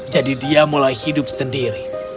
dia mulai hidup sendiri